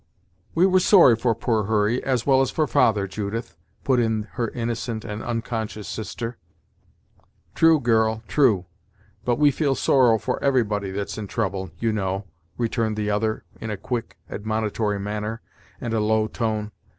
"We were sorry for poor Hurry, as well as for father, Judith!" put in her innocent and unconscious sister. "True, girl, true; but we feel sorrow for everybody that's in trouble, you know," returned the other in a quick, admonitory manner and a low tone.